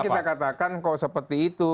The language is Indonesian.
nah ini nanti kita katakan kok seperti itu